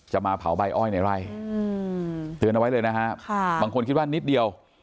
มาเผาใบอ้อยในไร่เตือนเอาไว้เลยนะฮะบางคนคิดว่านิดเดียว